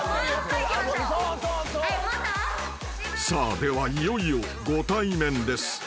［さあではいよいよご対面です］